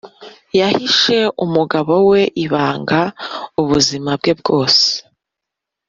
yahishe umugabo we ibanga ubuzima bwe bwose.